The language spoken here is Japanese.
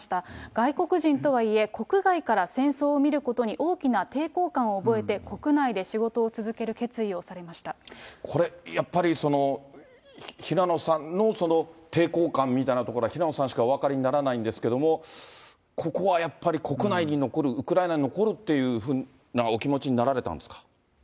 外国人とはいえ、国外から戦争を見ることに大きな抵抗感を覚えて、国内で仕事を続これ、やっぱり、平野さんのその抵抗感みたいなところは、平野さんしかお分かりにならないんですけれども、ここはやっぱり国内に残る、ウクライナに残るっていうふうなお気持ちになられたんですか。